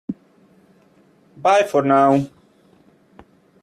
Bye for now!